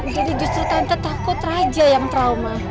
jadi justru tante takut raja yang trauma